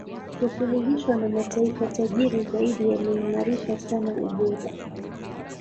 kusuluhishwa na mataifa tajiri zaidi yameimarisha sana ubora